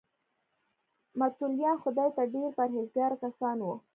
متولیان خدای ته ډېر پرهیزګاره کسان وو.